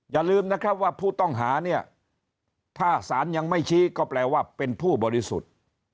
อย่าลืมนะครับว่าผู้ต้องหาเนี่ยถ้าสารยังไม่ชี้ก็แปลว่าเป็นผู้บริสุทธิ์